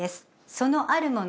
そのあるもの